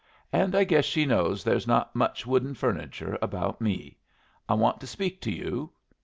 And I guess she knows there's not much wooden furniture about me. I want to speak to you."